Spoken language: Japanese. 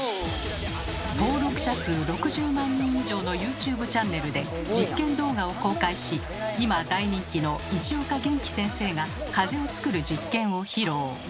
登録者数６０万人以上のユーチューブチャンネルで実験動画を公開し今大人気の市岡元気先生が風を作る実験を披露。